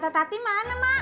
kecap mata tadi mana mak